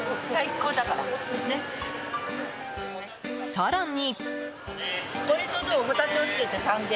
更に。